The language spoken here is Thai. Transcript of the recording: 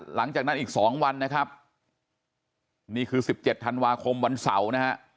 หลังจากนั้นอีก๒วันนะครับนี่คือ๑๗ธันวาคมวันเสาร์นะฮะ